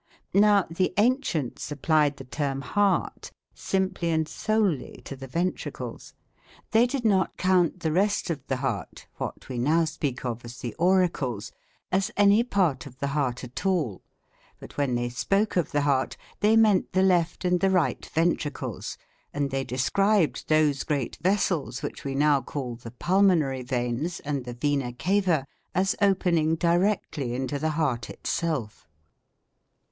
Now the ancients applied the term 'heart' simply and solely to the ventricles. They did not count the rest of the heart what we now speak of as the 'auricles' as any part of the heart at all; but when they spoke of the heart they meant the left and the right ventricles; and they described those great vessels, which we now call the 'pulmonary veins' and the 'vena cava', as opening directly into the heart itself.